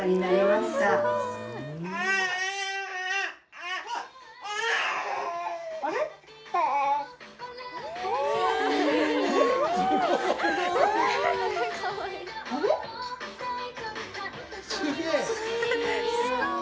すごい！